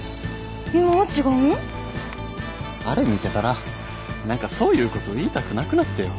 あれ見てたら何かそういうことを言いたくなくなってよ。